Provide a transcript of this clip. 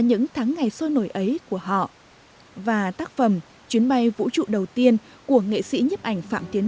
những tháng ngày sôi nổi ấy của họ và tác phẩm chuyến bay vũ trụ đầu tiên của nghệ sĩ nhấp ảnh phạm tiến